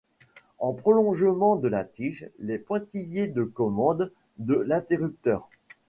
En prolongement de la tige, les pointillés de commande de l'interrupteur.